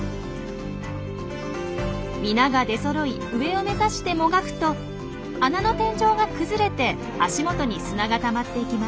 皆が出そろい上を目指してもがくと穴の天井が崩れて足元に砂がたまっていきます。